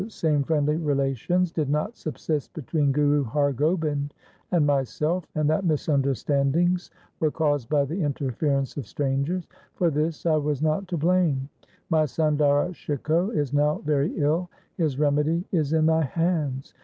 LIFE OF GURU HAR RAI 279 friendly relations did not subsist between Guru Har Gobind and myself, and that misunderstandings were caused by the interference of strangers. For this I was not to blame. My son Dara Shikoh is now very ill. His remedy is in thy hands.